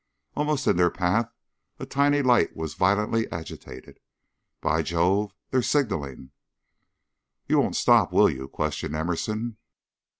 Almost in their path a tiny light was violently agitated. "By Jove! They're signalling." "You won't stop, will you?" questioned Emerson.